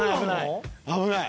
危ない。